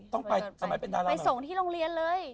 ต้องไปสมัยเป็นดาราบอะไร